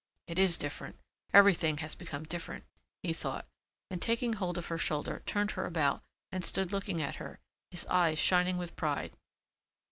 "It is different. Everything has become different," he thought and taking hold of her shoulder turned her about and stood looking at her, his eyes shining with pride.